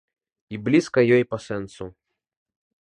І блізкая ёй па сэнсу.